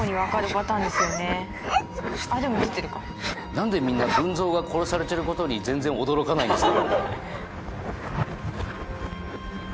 何でみんな文蔵が殺されてることに全然驚かないんですか？